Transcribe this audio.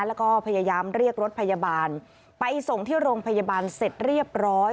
แล้วก็พยายามเรียกรถพยาบาลไปส่งที่โรงพยาบาลเสร็จเรียบร้อย